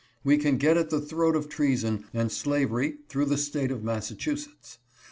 "We can get at the throat of treason and slavery through the State of Massachusetts.